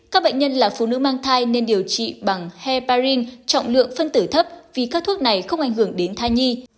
các bệnh nhân là phụ nữ mang thai nên điều trị bằng heparin trọng lượng phân tử thấp vì các thuốc này không ảnh hưởng đến thai nhi